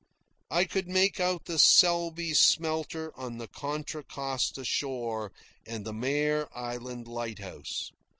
I could make out the Selby Smelter on the Contra Costa shore and the Mare Island lighthouse.